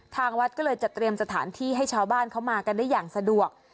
ทางวัดก็เลยจะเตรียมสถานที่ให้ชาวบ้านเขามากันได้อย่างสะดวก